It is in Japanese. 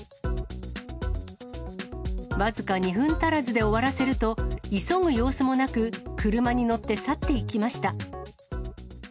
僅か２分足らずで終わらせると、急ぐ様子もなく、車に乗って去っていきました。